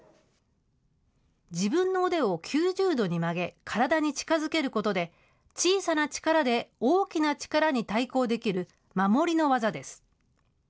自分の腕を９０度に曲げ、体に近づけることで、小さな力で大きな力に対抗できる守りの技です。